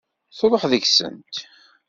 Truḥ deg-sent.